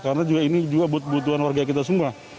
karena ini juga butuhkan warga kita semua